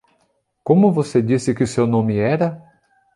Como você disse que seu nome era?